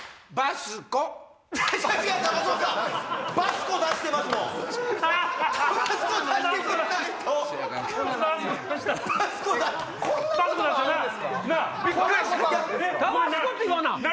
タバスコって言わな！